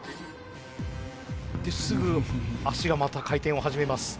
ですぐ足がまた回転を始めます。